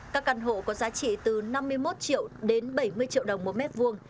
các căn hộ có giá trị từ năm mươi một triệu đến bảy mươi triệu đồng một mét vuông